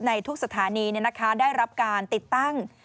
ในทุกสถานีได้รับการติดตั้ง